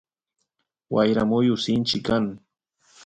wayra muyu sinchi kan